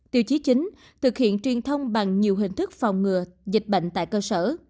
tiêu chí chính thực hiện truyền thông bằng nhiều hình thức phòng ngừa dịch bệnh tại cơ sở